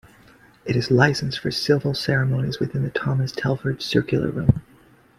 It is licensed for Civil Ceremonies within the Thomas Telford Circular Room.